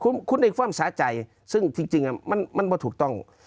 คุณคุณได้ความสะใจซึ่งจริงจริงอ่ะมันมันว่าถูกต้อง